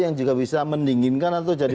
yang juga bisa mendinginkan atau jadi